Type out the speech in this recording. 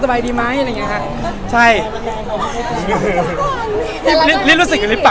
สำหรับผู้วิดีโอเราก็เชียร์ถึงไป